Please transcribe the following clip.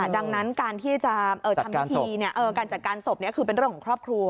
ดังนั้นการที่จะทำพิธีการจัดการศพนี้คือเป็นเรื่องของครอบครัว